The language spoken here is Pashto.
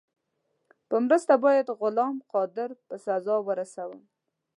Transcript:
په مرسته باید غلام قادر په سزا ورسوم.